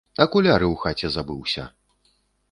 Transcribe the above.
Акуляры ў хаце забыўся!